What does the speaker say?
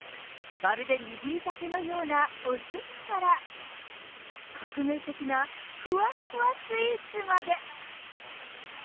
まるで握りたてのようなおすしから、革命的なふわふわスイーツまで。